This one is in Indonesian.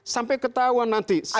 sampai ketahuan nanti siapa dia